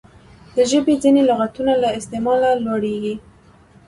د ژبي ځیني لغاتونه له استعماله لوړیږي.